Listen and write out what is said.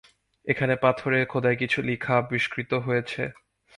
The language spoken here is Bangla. এখানে পাথরে খোদাই কিছু লেখা আবিস্কৃত হয়েছে।